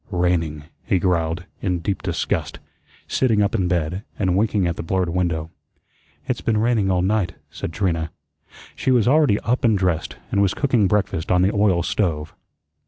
"Raining," he growled, in deep disgust, sitting up in bed, and winking at the blurred window. "It's been raining all night," said Trina. She was already up and dressed, and was cooking breakfast on the oil stove.